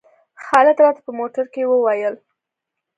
خالد راته په موټر کې وویل.